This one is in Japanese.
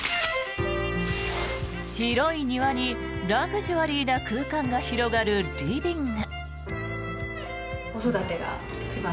広い庭にラグジュアリーな空間が広がるリビング。